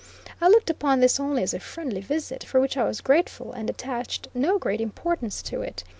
I looked upon this only as a friendly visit, for which I was grateful; and attached no great importance to it.